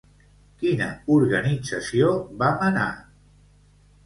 Quina organització va menar?